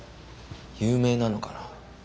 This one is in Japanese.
有名なのかな。